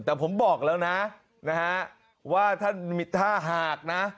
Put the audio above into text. แต่ผมบอกแล้วนะนะฮะว่าท่านถ้าหากนะ